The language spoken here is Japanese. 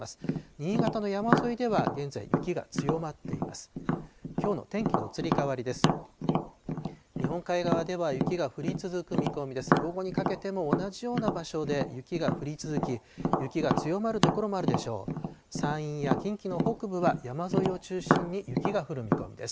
新潟の山沿いでは現在、雪が強まっています。